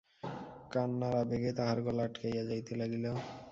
কান্নাব আবেগে তাহার গলা আটকাইয়া যাইতে লাগিল।